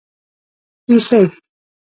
کیسۍ